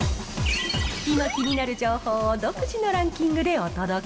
今、気になる情報を独自のランキングでお届け。